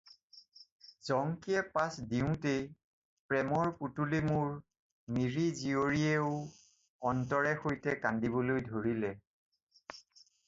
জংকিয়ে পাছ দিওঁতেই প্ৰেমৰ পুতলি মোৰ মিৰি-জীয়ৰীয়েও অন্তৰে সৈতে কান্দিবলৈ ধৰিলে।